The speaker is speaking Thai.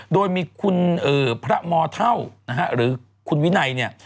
โดยมีคุณพระมเท่านะฮะหรือคุณวินัยเนี่ย